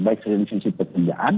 baik secara institusi pekerjaan